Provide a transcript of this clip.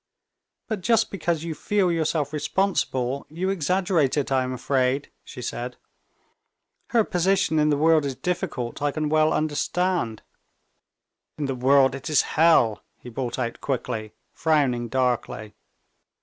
"But just because you feel yourself responsible, you exaggerate it, I am afraid," she said. "Her position in the world is difficult, I can well understand." "In the world it is hell!" he brought out quickly, frowning darkly.